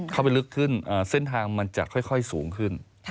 เข้าไปลึกขึ้นเส้นทางมันจะค่อยสูงขึ้น